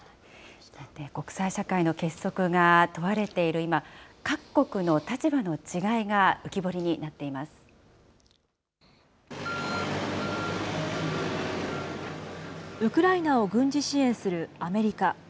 国際社会の結束が問われている今、各国の立場の違いが浮き彫ウクライナを軍事支援するアメリカ。